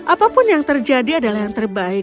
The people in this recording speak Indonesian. apapun yang terjadi adalah yang terbaik